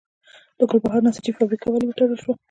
د ګلبهار نساجي فابریکه ولې وتړل شوه؟